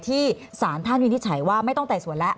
ที่สารท่านวินิจฉัยว่าไม่ต้องไต่สวนแล้ว